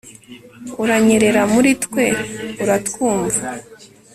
uranyerera muri twe; uratwumva